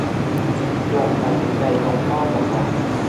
หล่อนตัดสินใจตรงข้ามกับมัน